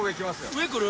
上来る？